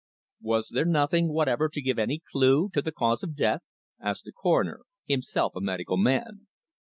"Was there nothing whatever to give any clue to the cause of death?" asked the Coroner, himself a medical man.